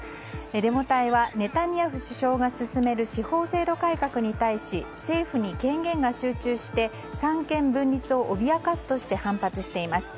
デモ隊は、ネタニヤフ首相が進める司法制度改革に対し政府に権限が集中して三権分立を脅かすとして反発しています。